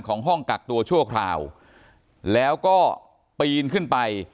ห้องกักตัวชั่วคราวแล้วก็ปีนขึ้นไป